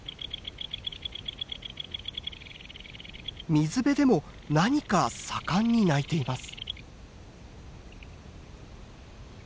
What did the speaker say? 水辺でも何か盛んに鳴いています。